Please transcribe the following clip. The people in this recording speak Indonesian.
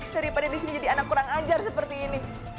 daripada di sini jadi anak kurang ajar seperti ini